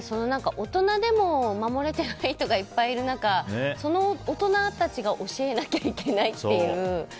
大人でも守れてない人がいっぱいいる中、その大人たちが教えなきゃいけないっていう。